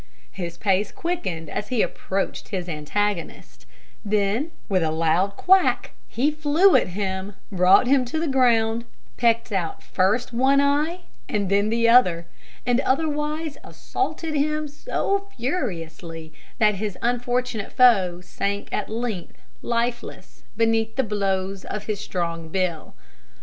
His pace quickened as he approached his antagonist; then, with a loud quack, he flew at him, brought him to the ground, pecked out first one eye and then the other, and otherwise assaulted him so furiously, that his unfortunate foe sank at length lifeless beneath the blows of his strong bill.